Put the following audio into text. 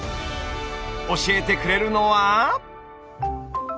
教えてくれるのは。